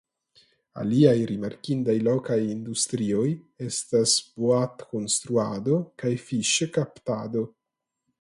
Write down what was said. Aliaj rimarkindaj lokaj industrioj estas boatkonstruado kaj fiŝkaptado.